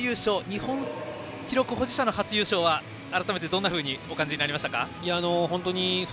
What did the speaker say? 日本記録保持者の初優勝は改めて、どうお感じになりましたか。